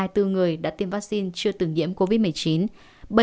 hai mươi bốn người đã tiêm vaccine chưa từng nhiễm covid một mươi chín